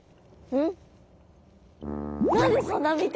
うん？